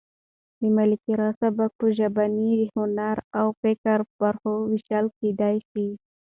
د ملکیار سبک په ژبني، هنري او فکري برخو وېشل کېدای شي.